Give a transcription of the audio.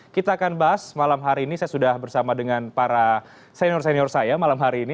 kita akan bahas malam hari ini saya sudah bersama dengan para senior senior saya malam hari ini